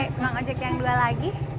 nggak ngajak yang dua lagi